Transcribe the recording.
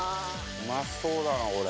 うまそうだなこれ。